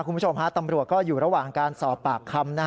คุณผู้ชมฮะตำรวจก็อยู่ระหว่างการสอบปากคำ